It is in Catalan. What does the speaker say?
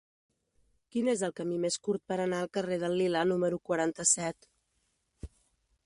Quin és el camí més curt per anar al carrer del Lilà número quaranta-set?